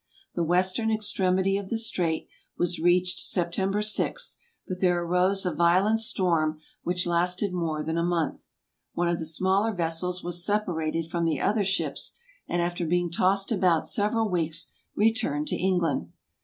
The western extremity of the Strait was reached September 6, but there arose a violent storm, which lasted more than a month. One of the smaller vessels was sep arated from the other ships, and after being tossed about several weeks returned to England.